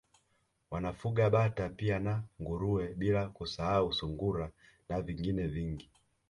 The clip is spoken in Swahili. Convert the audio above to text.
Wanafuga Bata pia na Nguruwe bila kusahau Sungura na vingine vingi